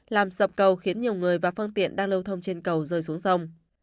làm sập cầu khiến nhiều người và phương tiện đang lưu thông trên cầu rơi xuống sông